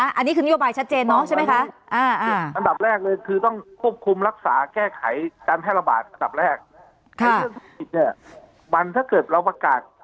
อันนี้คือนโยบายชัดเจนเนาะใช่ไหมคะ